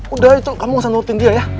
udah itu kamu nge santain dia ya